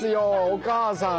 お母さん。